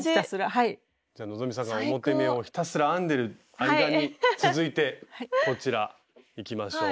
希さんが表目をひたすら編んでる間に続いてこちらいきましょう。